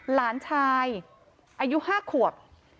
หลานชายอายุ๕ขวบ